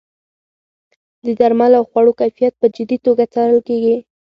د درملو او خوړو کیفیت په جدي توګه څارل کیږي.